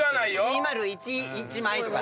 ２０１１枚とか。